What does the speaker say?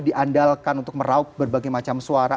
diandalkan untuk meraup berbagai macam suara